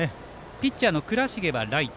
ピッチャーの倉重はライト。